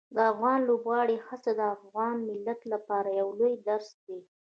د افغان لوبغاړو هڅې د افغان ملت لپاره یو لوی درس دي.